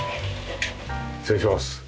失礼します。